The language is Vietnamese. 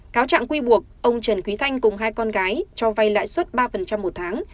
cáo trạng quy buộc ông trần quý thanh cùng hai con gái cho vay lãi suất ba một tháng